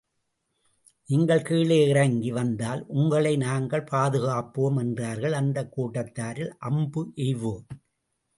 நீங்கள் கீழே இறங்கி வந்தால், உங்களை நாங்கள் பாதுகாப்போம் என்றார்கள் அந்தக் கூட்டத்தாரில் அம்பு எய்வோர்.